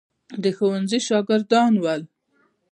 د ښوونځي شاګردان ول.